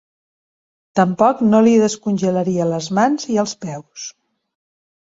Tampoc no li descongelaria les mans i els peus.